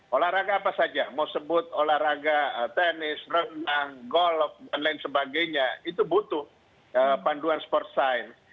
olahraga apa saja mau sebut olahraga tenis renang golf dan lain sebagainya itu butuh panduan sport science